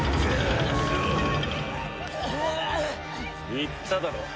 言っただろ。